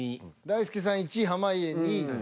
大輔さん１位濱家２位。